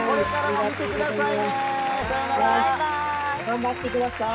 頑張ってください。